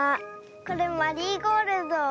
これマリーゴールド。